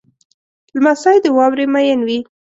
لمسی د واورې مین وي.